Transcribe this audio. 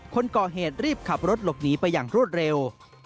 คนก่อเหตุรีบขับรถหลบหนีไปอย่างรวดเร็ว